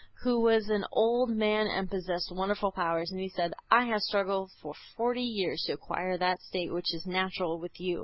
He was an old man and possessed wonderful powers, and he said: "I have struggled for forty years to acquire that state which is natural with you."